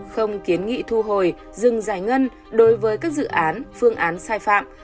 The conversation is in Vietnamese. không kiến nghị thu hồi dừng giải ngân đối với các dự án phương án sai phạm